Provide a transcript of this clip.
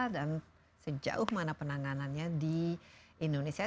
dan sejauh mana penanganannya di indonesia